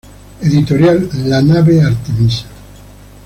Editorial La Nave-Artemisa.